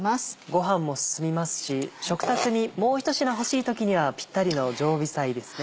ご飯も進みますし食卓にもう一品欲しい時にはピッタリの常備菜ですね。